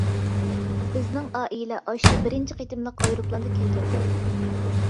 بىزنىڭ ئائىلە ئاشۇ بىرىنچى قېتىملىق ئايروپىلاندا كەلگەنىدى.